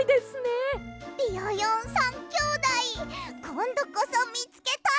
ビヨヨン３きょうだいこんどこそみつけたい！